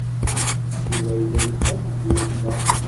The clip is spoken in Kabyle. Yuba yella yebɣa ad yeddu yid-neɣ.